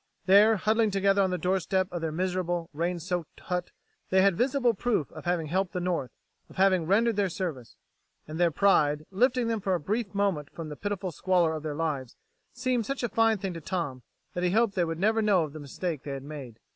There, huddling together on the doorstep of their miserable, rain soaked hut, they had visible proof of having helped the North, of having rendered their service. And their pride, lifting them for a brief moment from the pitiful squalor of their lives, seemed such a fine thing to Tom that he hoped they would never know of the mistake they had made.